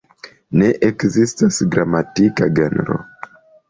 Ne ekzistas gramatika genro.